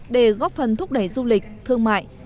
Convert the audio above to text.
để góp phần thúc đẩy du lịch thương mại